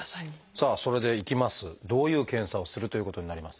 さあそれで行きます。